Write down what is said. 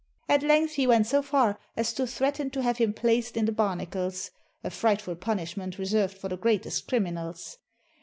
At length he went so far as to threaten to have him placed in the barnacles, a frightful jmnishment reserved for the greatest criminals.